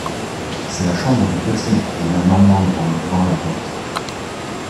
C’est la chambre du petit, dit la Normande en ouvrant la porte.